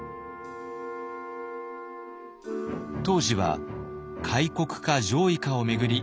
当時は開国か攘夷かを巡り